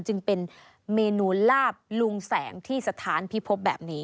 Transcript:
จึงเป็นเมนูลาบลุงแสงที่สถานพิภพแบบนี้